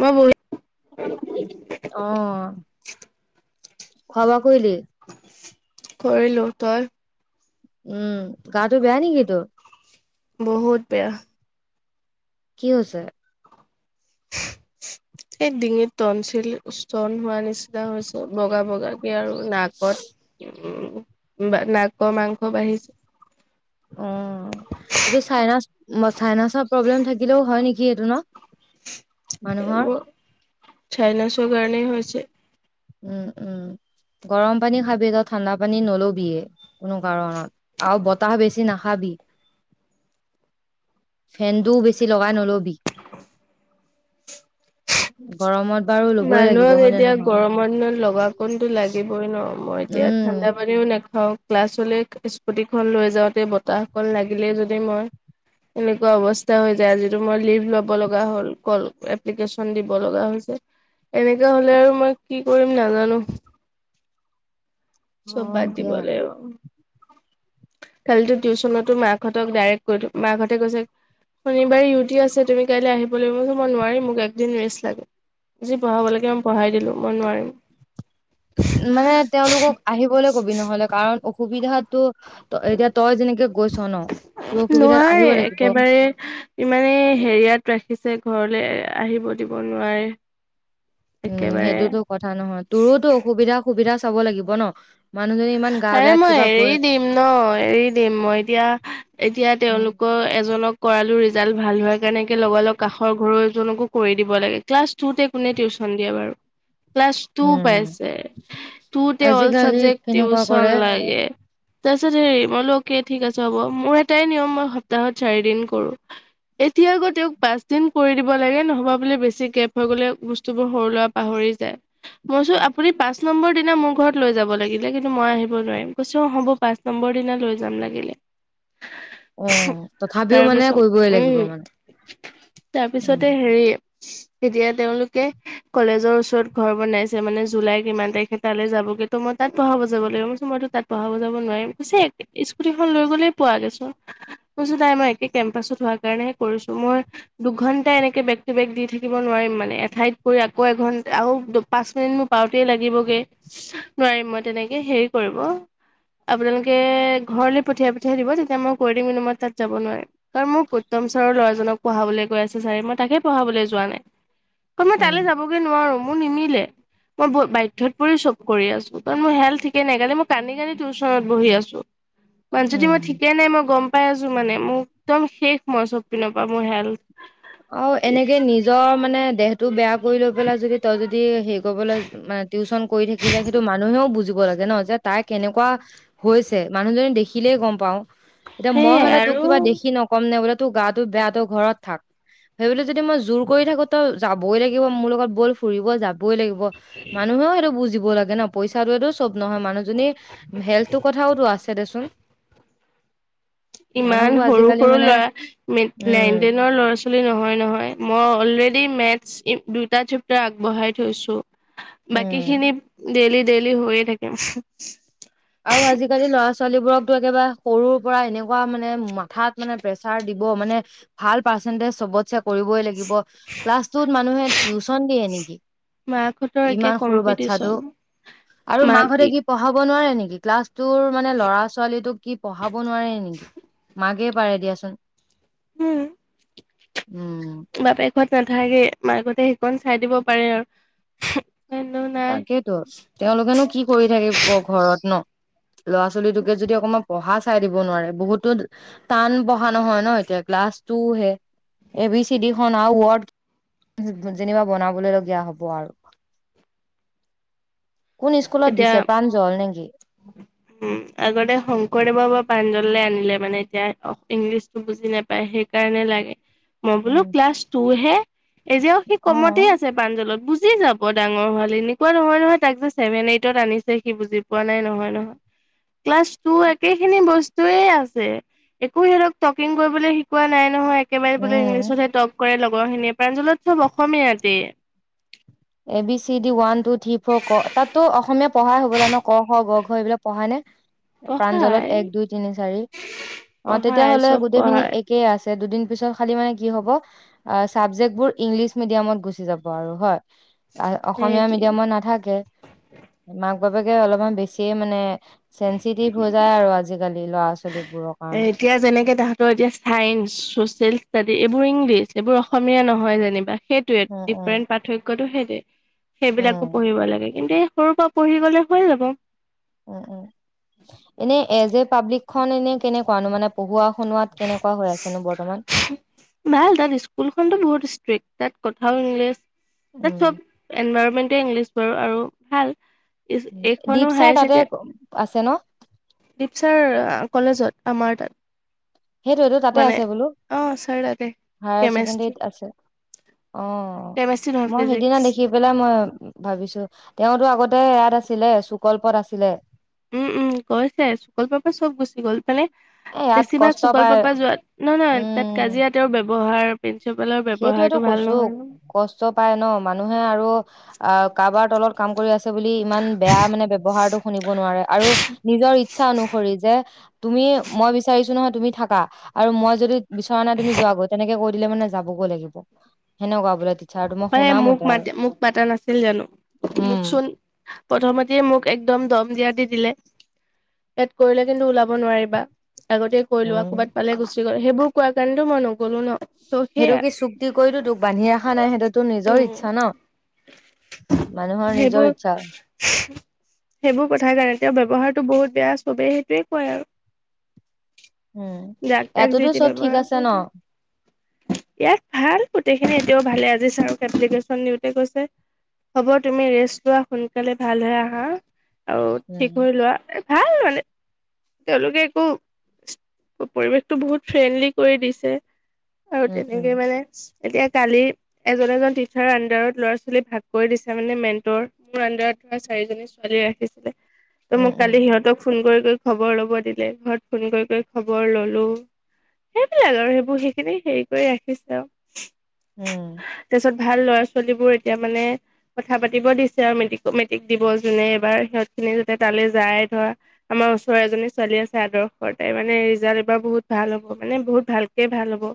মই বহি। অ', খাৱা বোৱা। কৰিলি? কৰিলো তই। উম গাটো বেয়া নেকি তোৰ। বহুত বেয়া। কি হৈছে। এই ডিঙিত টন চিল তন হোৱা নিচিনা হৈছে বগা বগা। আৰু নাকত উ। বা নাকৰ মাংস বাঢ়িছে? অ এইটো চাইনাচ চাইনিছৰ প্ৰব্লেম থাকিলেও হয় নেকি? কি এটো ন। মানুহৰ? মোৰ চাইনাছৰ কাৰণেই হৈছে। উম, উম গৰম পানী খাবি ত ঠাণ্ডা পানী নলবিয়ে কোনো কাৰণত আৰু বতাহ বেছি নাখাবি ফেনটো বেছি লগাই নলবি গৰমত বাৰু ল'বই লাগিব মানুহক হয় নে এতিয়া নহয় গৰম লগা কোনতো লাগিবই ন, মই এতিয়া উম ঠাণ্ডা পানীও নেখা হওক, ক্লাছলৈ স্কুটিখন লৈ যাওঁ বতাহ অকল লাগিলে যদি মই, এনেকুৱা অৱস্থা হৈ যায় আজিটো মই লিভ ল'ব লগা হ'ল কল এপ্লিকেচন দিব লগা হৈছে। এনেকা হলে আৰু মই কি কৰিম নাজানো। চব হয় বাদ দিব দিয়া লে আৰু। কালিতো টিউচনতো মাকহঁতক ডাইৰেক্ট কৈ দি মাকঁহতে কৈছে, শনিবাৰে ইউটি আছে তুমি কাইলৈ আহিব লাগিব মই নোৱাৰিম মোক একদিন ৰেষ্ট লাগে যি পঢ়াব লাগে মই পঢ়াই দিলোঁ মই নোৱাৰিম। মানে তেওঁলোকক আহিবলৈ কবি নহলে কাৰণ অসুবিধাতো এতিয়া তই যেনেকে গৈছ ন তোৰ অসুবিধাত আহিব নোৱাৰে লাগিব একেবাৰে ইমানে হেৰিয়াত ৰাখিছে। ঘৰলৈ আহিব দিব নোৱাৰে। উম একেবাৰে। সেইটোতো কথা নহয়, তোৰোতো অসুবিধা সুবিধা চাব লাগিব ন মানুহজনী ইমান গা আৰে বেয়াত মই কিবা গৈ এৰি দিম ন এৰি দিম মই এতিয়া, এতিয়া উম, তেওঁলোকৰ এজনক কৰালো ৰিজাল্ট ভাল হোৱাৰ কাৰণে লগ লগ কাষৰ ঘৰজনকো কৰি দিব লাগে ক্লাছ টুতে কোনে টিউচন দিয়ে বাৰু। ক্লাছ টু উম, পাইছে, টুতে অল আজিকালি চাবজেক্ট কেনেকুৱা টিউচন কৰে লাগে। তাৰ পিছত হেৰি মইলোকে ঠিক আছে হ'ব মোৰ এটাই নিয়ম মই সপ্তাহত চাৰি দিন কৰো এতিয়া আকৌ তেওঁক পাঁচ দিন কৰি দিব লাগে নহবা বুলি বেছি গেপ হৈ গলে বস্তুবোৰ সৰু লৰা পাহৰি যায় মইছো আপুনি পাঁচ নম্বৰ দিনা মোৰ ঘৰত লৈ যাব লাগিব। কিন্তু মই আহিব নোৱাৰিম কৈছো অ হ'ব পাঁচ নম্বৰ দিনা লৈ যাম লাগিলে। অ, তথাপিও মানে তাৰপিছত কৰিবই লাগিব উম মানে, উম। তেতিয়া তেওঁলোকে কলেজৰ ওচৰত ঘৰ বনাইছে মানে জুলাই কিমান তাৰিখে তালৈ যাবগে তো মই তাত পঢ়াব যাব লাগিব, মইতো তাত পঢ়াব যাব নোৱাৰিম, কৈছে স্কুটিখন লৈ গ'লে পোৱা গৈছোন। মই কৈছোঁ নাই মই একে কেম্পাছত হোৱাৰ কাৰণেহে কৰিছো মই দুঘন্টা এনেকে বেক টু বেক দি থাকিব নোৱাৰিম মানে এঠাইত কৰি আকৌ এঘণ্টা আৰু পাঁচ মিনিট মোৰ পাওঁতে লাগিবগে নোৱাৰিম মই তেনেকে হেৰি কৰিব, আপোনালোকে ঘৰলে পঠিয়াই পঠিয়াই দিব তেতিয়া মই কৈ দিম কিন্তু মই তাত যাব নোৱাৰিম কাৰণ মোৰ গৌতম ছাৰৰ ল'ৰাজনক পঢ়াবলৈ কৈ আছে ছাৰে মই তাকে পঢ়াবলৈ যোৱা নাই। অ, মই উম, তালৈ যাবগে নোৱাৰো, মোৰ নিমিলে। মই ব বাধ্যত পৰি চব কৰি আছো। কাৰণ মোৰ হেল্থ ঠিকে নাই কালি মই কান্দি কান্দি টিউচনত বহি আছো। মানিছো মই উম। ঠিকে নাই মই গম পাই আছো মানে মোক একদম শেষ মই চব পিনৰ পৰা, মোৰ হেল্থ অ, এনেকে নিজৰ মানে দেহটো বেয়া কৰি লৈ পেলাই যদি তই যদি হেৰি কৰিবলৈ মানে টিউচন কৰি থাকিলে সেইটো মানুহেও বুজি দিব লাগে নহয় যে তাই কেনেকুৱা হৈছে মানুহজনি দেখি কিলেই গম পাওঁ। এতিয়া মই সেইয়াই হ'লে তোক আৰু কিবা দেখি নক'ম ‌‌ টো গাটো বেয়া তই ঘৰত থাক। সেই বুলি যদি মই জোৰ কৰি থাকোঁ তই যাবই লাগিব মোৰ লগত বল ফুৰিব যাবই লাগিব। ব মানুহেও সেইটো বুজিব। ব লাগে ন পইচাটোৱেটো। চব নহয় মানুহজনী হেল্থৰ কথাওতো আছে দেচোন। ইমান মানুহবোৰ সৰু আজিকালি সৰু মানে ল'ৰা নাইন উম টেনৰ ল'ৰা ছোৱালী নহয় নহয় মই অলৰেডি মেটচ দুটা চেপ্টাৰ আগবঢ়াই থৈছোঁ। বাকী উম খিনিত ডেইলী। ডেইলি হৈয়ে থাকে। আও আজিকালি ল'ৰা ছো ' ছোৱালীবোৰকতো একেবাৰে সৰুৰ পৰা এনেকুৱা মানে মাক থাঠাত মানে প্ৰেছাৰ। দিব মানে ভাল পাৰছেনন্টেজ চবতছে কৰিবই লাগিব। ক্লাছ টুত মানুহে টিউচন দিয়ে নেকি মাকহঁতৰ একে ইমান সৰু বাচ্ছাটো কম্পিটিচন আৰু মাক মাকহঁতে ই কি পঢ়াব নোৱাৰে নেকি। ক্লাছ। তোৰ মানে ল'ৰা ছোৱালী তোক কি পঢ়াব নোৱাৰে নেকি মাকে। পাৰে দিয়াচোন। হুম উম ঘৰত নাথাকে মাকতে সিকন চাই দিব পাৰে আৰু। কিন্তু নাই তাকেইতো তেওঁলোকেনো কি কৰি থাকিব ঘৰত ন। ল'ৰা ছোৱালী টোকে যদি অকণমান পঢ়া। চাই দিব নোৱাৰে। কোন স্কুলত এতিয়া দিছে প্ৰাঞ্জল নেকি? উম আগতে শংকৰদেৱ বা পাঞ্জল। কেলে আনিলে মানে এতিয়া ইংলিছটো বুজি নাপায়। সেইকাৰণে লাগে। মই বোলো উম ক্লাছ টু হে। এ যে উসিত অ কমতে আছে প্ৰাঞ্জলত বুজি। বুজি যাব ডাঙৰ হ'লে এনেকুৱা নহয় নহয় তাক যে ছেভেন এইটত আনিছে সি বুজি। কোৱা নাই নহয় ন ক্লাছ টু একে খিনি বস্তুয়ে আছে একো সিহঁতক টকিং কৰিবলে শিকোৱা নাই নহয়। [unintelligible] বোলে উম ইংলিছতহে টপ কৰে লগ। গৰখিনি [unintelligible] প্ৰাঞ্জলত টো লগ পামে আজি A B C D one two three four ক তাতো অসমীয়া পঢ়াই হ'বলা ন ক খ গ ঘৰ এইবিলাক পঢ়াই নে প্ৰাঞ্জলত পঢ়ায় এক দুই তিনি চাৰি অ তেতিয়া পঢ়ায় হলে চব গোটেই খিনি পঢ়ায় একেই আছে দুদিন পিছত খালি মানে কি হব অ চাবজেক বোৰ ইংলিছ মিডিয়ামত গুচি যাব আৰু হয় অসমীয়া সেইটোৱে। মিডিয়ামত নাথাকে মাক বাপেকে অলপমান বেছিয়ে মানে চেন্সিটিভ হৈ যায় আৰু আজি আজিকালি ল'ৰা চো এ এতিয়া যেনেকে তাহা ত এতিয়া চাইন্ঞ্চ চচিয়েল ষ্টাডি এইবোৰ ইংলিছ এইবোৰ অসমীয়া নহয় যেনিবা সেইটোয়ে উম উম ডিফাৰেণ্ট পাৰ্থক্যতটো সেই তে উম সেইবিলাকো পঢ়িব লাগে কিন্তু সৰুৰ পৰা পঢ়ি গলে হৈ যাব এনে এ জে পাব্লিক খন এনে কেনেকুৱানো মানে পঢ়োৱা শুনোৱাত কেনেকুৱা হৈ আছেনো বৰ্তমান ভাল তাত স্কুলখনতটো বহুত ষ্ট্ৰিক্ট তাত কোথাও ইংলিছ তাত উম চব এনভাইৰমেণ্ট গোটেই ইংলিছ বাৰু আৰু ভাল উম দীপ এইখনো ছাৰ হায়াৰ তাতে আছে ন ছেকেণ্ড দীপচাৰ কলেজত আমাৰ তাত সেইটোটো তাতে মানে আছে বোলো অ' ছাৰ তাতে হায়াৰ কেমেষ্ট্ৰি চছেকেণ্ডাৰীত আছে অ কেমেষ্ট্ৰি নহয় মই সেইদিনা ফিজিক্স দেখি পেলাই মই ভাবিছো তেওঁতো আগত তে ইয়াত আছিলে সুকল্পত আছিলে উম উম গৈছে চুকল্পৰ পৰা চব গুচি গ'ল মানে এ ইয়াত বেছিভাগ কষ্ট পায় চুকল্পৰ পৰা যোৱ নহয় নহয় তাত কাজিয়া তেওঁৰ ব্যব ব্যৱহাৰ প্ৰিন্সিপালৰ সেইটোটো ব্যৱহাৰটো ভাল কৈছো নহয়। কষ্ট পাই ন মানুহে আৰু অ কাৰোবাৰ তলত কাম কৰি আছে বুলি ইমান বেয়া মানে ব্যৱহাৰটো শুনিব নোৱাৰে আৰু নিজৰ ইচ্ছা অনুসৰি যে তুমি মই বিচাৰিছো নহয় তুমি থাকা আৰু মই যদি বিচৰা নাই তুমি যোৱা গৈ তেনেকে কৈ দিলে মানে যাবগৈ লাগিব সেনেকুৱা বোলে টিচাৰটো মই অ শুনা মোক মতে মা আৰু মোক মাতা নাছিল জানো উম, মোকচোন প্ৰথমতে মোক এক একদম দম দিয়াত দি দিলে ইয়াত কৰিলে কিন্তু ওলাব নোৱাৰিবা। আগতে কৈ লোৱা উম। ক'ৰবাত পালে গুচি গল সেইবোৰ কোৱা কাৰণে টো মই নগলো ন! ত' সেইটো সেয়া কি চুক্তি কৰিতো তোক বান্ধি ৰখা নাই সেইটো তোক তোৰ নিজৰ উম, ইচ্ছা ন, মানুহৰ সেইবোৰ নিজৰ ইচ্ছা সেইবোৰ কথাই কাৰণে এ তেওঁ ব্যৱহাৰতটো বহুত বেয়া সবেই সেইটোৱে কয় আৰু উম যাক তাক যি ইয়াতোতো চব ঠিক ব্যৱহাৰ আছে ন কৰে, ইয়াত ভাল প্ৰতি এ এতিয়াও ভালে আজি চাৰ ক এপ্লিকেচন দিওঁ তে কৈছে হ'ব তুমি ৰেষ্ট লোৱা, সোনকালে ভাল হৈ আহা। আৰু ঠিক হৈ উম লোৱা। ভাল মানে তেওঁলোকে একো পৰিৱেশতটো বহুত ফ্ৰেণ্ডলি কৰি দিছে। আৰু উম উম তেনেকেই মানে এতিয়া কালি এজন এজন তিছাৰৰ আনডাৰত লৰা ছোৱালী ভাগ কৰি দিচে, মানে মেণ্টৰ মোৰ আনডাৰত ধৰা চাৰিজনী ছোৱালী ৰাখিদিচে। ত মোক উম কালি সিহঁতক ফোন কৰি খবৰ লব দিলে ঘৰত ফোন কৰি কৰি খবৰ ললো সেইবিলাক আৰু সেইবোৰ সেইখিনি হেৰি কৰি ৰাখিছে আৰু উম তাৰপিছত ভাল ল'ৰা ছোৱালীবোৰ এতিয়া মানে, কথা পাতিব দিছে আৰু মেট্ৰিক মেট্ৰিক দিব যোনে এবাৰ সিহঁত খিনি যাতে তালৈ যায় ধৰা আমাৰ ওচৰৰ এজনী ছোৱালী আছে আদৰ্শ তাই মানে ৰিজাল্ট এবাৰ বহুত ভাল হ'ব মানে বহুত ভালকে ভাল হ'ব।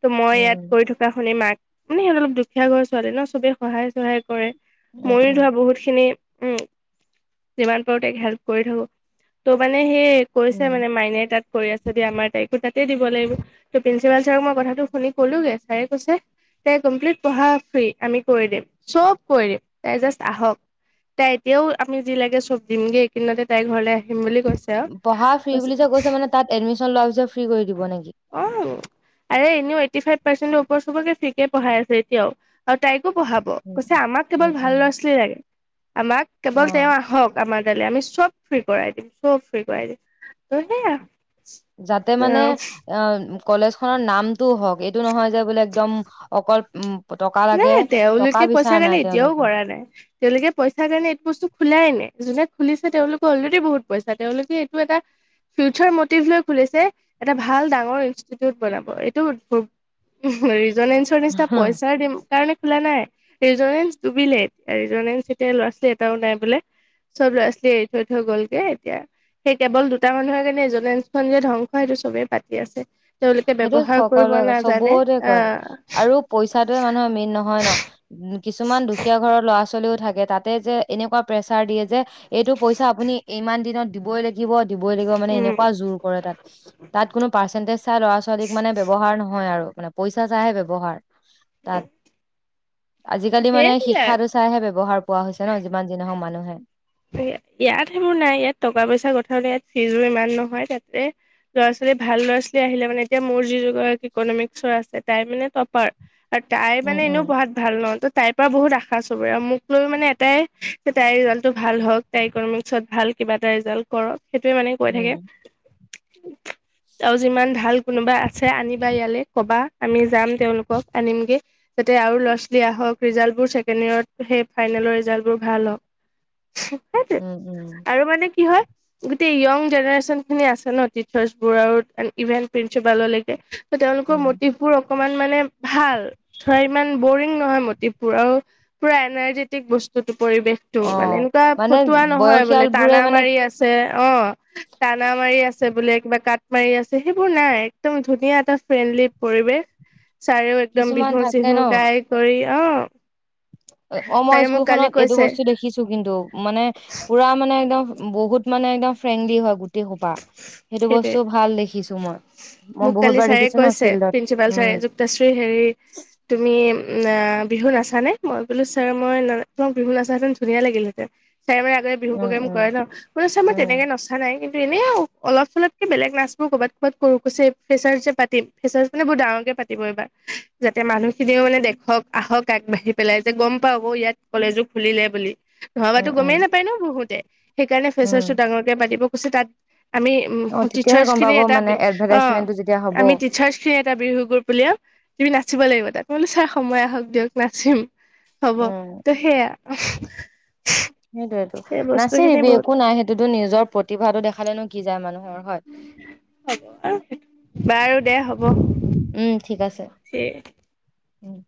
ত মই ইয়াত উম কৰি থকা শুনি মাক মানে সিহঁত অলপ দুখীয়া ঘৰ ছোৱালী ন চবে সহায় চহায় কৰে। উম উম উম মইয়ো উম ধৰা বহুত খিনি উম যিমান পাৰোতেক হেল্প কৰি থাকো, ত' মানে মানে সেয়ে কৈছে উম। মানে মাইনে তাত কৰি আছছে দিয়া আমাৰ তাৰকো তাতে দিব লাগিব ত' প্ৰিন্ঞ্চিপাল ছাৰক মই কথাটো শুনি ক'লোগে ছাৰে কৈছে- তাই কমপ্লিট পঢ়া ফ্ৰী, আমি কৰি দিম চব কৰি দিম। তাই জাষ্ট আহক তাই এতিয়াও আমি যি লাগে চব দিমগে এইকদনাতে তাইৰ ঘৰলৈ আহ পঢ়া ফ্ৰী বুলি যে কৈছে মানে তাত এডমিশন লোৱা জা ফ্ৰী কৰি দিব নে? অ আৰে এনেও টি ফাইভ পাৰ্চেণতেজ ওপৰত চবকে ফ্ৰী কে পঢ়াই আছে এতিয়াও আৰু তাই পঢ়াব উম কৈছে আমাক উম কেৱল ভাল উম ল'ৰা ছোৱালী লাগে। আমাক অ কেৱল তেওঁ আহক আমাৰ আমি চব ফ্ৰী কৰাই দিম চব ফ্ৰী কৰাই দিম। ত' সেয়া যাতে মানে অ', অ কলেজ খনৰ নামটোও হওক, এইটো নহয় যে বোলে একদম অকল উম টকা লাগে নাই টকা তেওঁলোকে পইচা বিচৰা কাৰণে নাই এতিয়াও তেওঁলোকে কৰা নাই তেওঁলোকে পইচা কাৰণে এইটো বস্তু খোলাই নাই। যোনে খুলিছে তেওঁলোকৰ অলৰেডি বহুত পইচা তেওঁলোকে এইটো এটা ফিউচাৰ মটিভ লৈ খুলিছে এটা ভাল ডাঙৰ ইণ্ষ্টিটিউট বনাব এইটো জনেঞ্চৰ নিচিনা পইচাৰ দিম সেইকাৰণে খোলা নাই ৰিজনেঞ্চ ডুবিলে এয়া ৰিজনেঞ্চ এতি ল'ৰা ছোৱালী এটাও নাই বোলে চব লৰাছোৱালী এৰি থৈ থৈ গল গেএতিয়া সেই কেৱল দুটা মানুহে ৰিজনেঞ্চখন যে ধ্বংস সেইটো চবেই পাতি আছে তেওঁলোকে সেইটো ব্যৱহাৰ কৰিব সকলোৱে কয় নাজানে চবতে কয় আহ আৰু পইচটোৱে মানুহৰ মেইন নহ হয় ন উ কিছুমান দুখীয়া ঘৰৰ ল'ৰা চলিও থাকে তাতে যে এনেকুৱা প্ৰেচাৰ দিয়ে যে এইটো পইচা আপুনি ইমান দিনত দিব‌ই লাগিব [unintelligible] উম অধিক মানে ব্যৱহাৰ নহয় হয় আৰু মানে পইচা চাইহে ব্যৱহাৰ তাত আজিকালি মানে সেইবিলাক শিক্ষাটো চাইহে ব্যৱহাৰ পোৱা হৈছে ন যিমান যিহঁওক মানুহ হয় ইয়াত সেনো নাই ইয়াত টকা পইচা কথালে ইয়াত ফিজো ইমান নহয় তাতে ল'ৰা ছোৱালী ভাল ল'ৰা ছোৱালী আহিলে মানে এতিয়া মোৰ যি দুগৰাকী ইকনমিক্সৰ আছে তাই মানে টপাৰ তাই উম মানে এনেও উম পঢ়াত ভাল নহ ত তাইৰ পৰা বহুত আশা চবৰে আৰু মোক লৈ মানে এটাই যে তাইৰ ত ভাল হওক তাই ইকমিক্সত ভাল কিবা এটা ৰিজাল্ট কৰক সেইটোৱে মানে কৈ থাকে উম আৰু যিমান ভাল কোনোবা আছে আনিবা ইয়ালে কবা আমি যাম তেওঁলোকক আনিমগে যাতে আৰু ল'ৰা-ছোৱালী আহক ৰিজাল্টবোৰ ছেকেণ্ড ইয়েৰত সেই ফাইনেলৰ ৰিজাল্টবোৰ ভাল হওঁক উম উম আৰু মানে কি হয় গোটেই য়ং জেনেৰেচন খিনি আছে ন টিচাৰ্চ বোৰ ইভেন প্ৰিন্ঞ্চিপাললৈকে তেওঁলোকৰ উম মটিভবোৰ অকমান মানে ভাল ধৰা ইমান বৰিং নহয় মতিবুৰ আৰু পুৰা এনাৰ্জেটিক বস্তু ইটো পৰিৱেশটো অ মানে এনেকুৱা মানে ফতুৱা নহয় বোলে বয়সীয়াল বোৰে টানা মানে মাৰি আছে অ তাানা মাৰি আছে বোলে কিবা কাট মাৰি আছে সেইবোৰ নাই, একদম ধুনীয়া এটা ফ্ৰেণ্ডলি পৰিৱেশ। চাৰেও একদম কিছুমান বিহু থাকে চিহু ন গাই কৰি অ অ মই ছাৰে মোক কালি স্কুলখনত এইটো কৈছে বস্তু দেখিছো কিন্তু। মানে, পুৰা মানে একম বহুত মানে একদম ফ্ৰেলি হয় খোপা, সেইটো সেইটোৱে বস্তু ভাল দেখিছো মই। মই মোক কালি বহুতবাৰ ছাৰে দেখিছো না কৈছে ফিল্ডত প্ৰিন্সিপাল ছাৰে উম। উম আ বিহু নাচানে? মই বোলো ছাৰ মই ন বিহু নাচাহেঁতেন ধুনীয়া লাগিলহেঁতেন। চাৰে মানে আগতে বিহু উম উম প্ৰগ্ৰেমকৰে ন? মই চাৰ উম তেনেকে নচা নাই কিন্তু এনে অলপ চলপকে বেলেগ ক্লাছবোৰ কবাত কবাত কৰো কৈছে। ফেচাছ্ যে পাতিম, ফেচাছ্ মানে বহু ডাঙৰকে পাতিব এইবাৰ। যাতে মানুহখিনিও মানে দেখক আহক আগবাঢ়ি পেলাই যে গম পাওঁক ইয়াত কলেজো খুলিলে বুলি। নহবাতো উম গমে উম নাপায় ন বহুতে? সেইকাৰণে ফেচাৰ টো উম ডাঙৰকে পাতিব কৈছে তাত আমি উম অ তেতিয়াহে টিচাৰ্চ গম পাব খিনিৰ এটা মানে বি অ এডভাৰটাইজমেন্টটো যেতিয়া হব আমি টিচাৰ্চ খিনিৰ এটা বিহু গ্ৰুপ উলিয়াম, তুমি নাচিব লাগিব। তাত মানে চাৰ সময় আহক দিয়ক, নাচিম। হ'ব উম ত সেয়া। [unintelligible] সেইটোৱেটো, সেই নাচি বস্তুখিনি দিবি বহুত একো নাই সেইটোতো নিজৰ প্ৰতিভাটো দেখালে নো কি যায় মানুহ। ধৰ হয় হ'ব আৰু বাৰু দে হ'ব উম ঠিক আছে। ঠিক উম